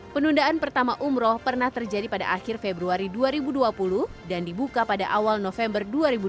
penundaan pertama umroh pernah terjadi pada akhir februari dua ribu dua puluh dan dibuka pada awal november dua ribu dua puluh